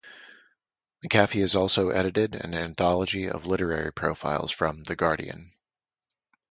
McAfee has also edited an anthology of literary profiles from "The Guardian".